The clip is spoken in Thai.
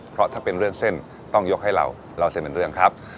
เพราะถ้าเป็นเรื่องเส้นต้องยกให้เราเล่าเส้นเป็นเรื่องครับ